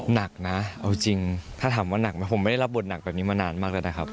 หนักนะเอาจริงถ้าถามว่าหนักไหมผมไม่ได้รับบทหนักแบบนี้มานานมากแล้วนะครับ